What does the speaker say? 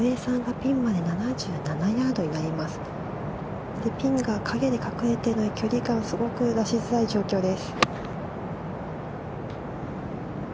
ピンが陰に隠れているので距離感がすごく出しづらい状況です。